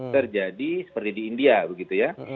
terjadi seperti di india begitu ya